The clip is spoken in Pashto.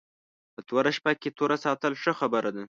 په توره شپه کې توره ساتل ښه خبره ده